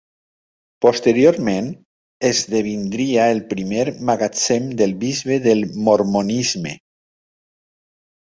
Posteriorment, esdevindria el primer magatzem del bisbe del mormonisme.